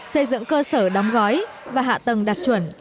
xây dựng cơ sở đóng gói và hạ tầng đạt chuẩn